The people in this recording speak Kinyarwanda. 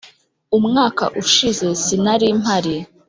umwaka ushize sinarimpari.